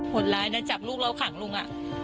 ดร้ายนะจับลูกเราขังลุง